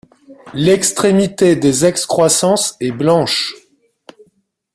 L'extrémité des excroissances est blanche.